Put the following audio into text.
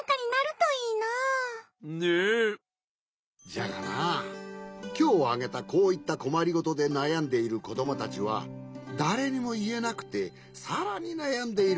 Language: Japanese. じゃがなきょうあげたこういったこまりごとでなやんでいるこどもたちはだれにもいえなくてさらになやんでいることがおおいんじゃ。